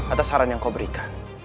atas saran yang kau berikan